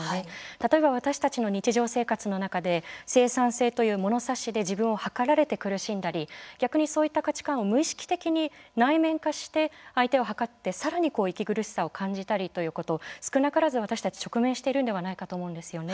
例えば、私たちの日常生活の中で生産性という物差しで自分を測られて苦しんだり逆にそういった価値観を無意識的に内面化して相手を測ってさらに息苦しさを感じたりということを少なからず私たち直面しているんではないかと思うんですよね。